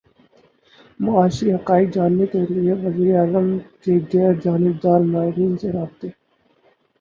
معاشی حقائق جاننے کیلیے وزیر اعظم کے غیر جانبدار ماہرین سے رابطے